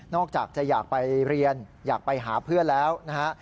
อกจากจะอยากไปเรียนอยากไปหาเพื่อนแล้วนะฮะ